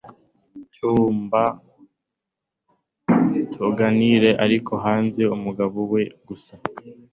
cyumba tuganire ariko haze umugabo we gusa